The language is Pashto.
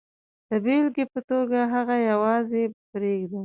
د بېلګې په توګه هغه یوازې پرېږدو.